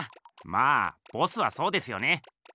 まあボスはそうですよね。